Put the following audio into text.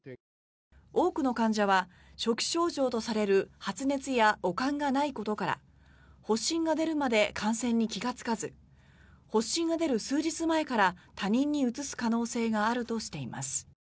多くの患者は初期症状とされる発熱や悪寒がないことから発疹が出るまで感染に気がつかず発疹が出る数日前から他人にうつす可能性があるとしています。